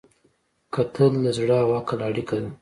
کتل د زړه او عقل اړیکه ده